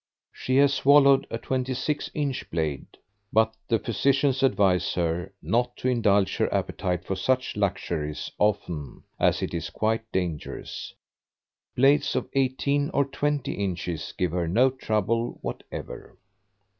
She has swallowed a 26 inch blade, but the physicians advise her not to indulge her appetite for such luxuries often, as it is quite dangerous. Blades of 18 or 20 inches give her no trouble whatever.